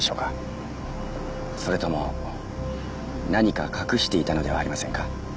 それとも何か隠していたのではありませんか？